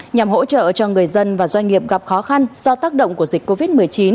nhằm hỗ trợ cho người dân và doanh nghiệp gặp khó khăn do tác động của dịch covid một mươi chín